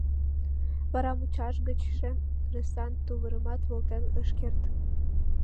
Вара мучаш гыч шем ыресан тувырымат волтен ыш керт.